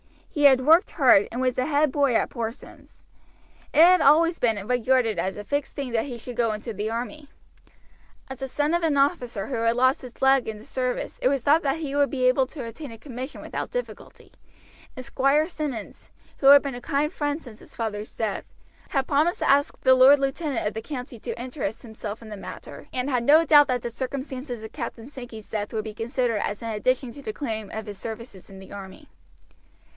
He had worked hard, and was the head boy at Porson's. It had always been regarded as a fixed thing that he should go into the army. As the son of an officer who had lost his leg in the service it was thought that he would be able to obtain a commission without difficulty, and Squire Simmonds, who had been a kind friend since his father's death, had promised to ask the lord lieutenant of the county to interest himself in the matter, and had no doubt that the circumstances of Captain Sankey's death would be considered as an addition to the claim of his services in the army.